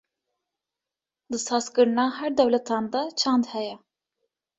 di saz kirina her dewletan de çand heye.